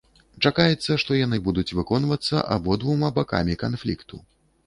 Чакаецца, што яны будуць выконваецца абодвума бакамі канфлікту.